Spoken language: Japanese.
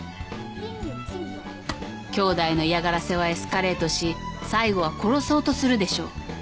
きょうだいの嫌がらせはエスカレートし最後は殺そうとするでしょう。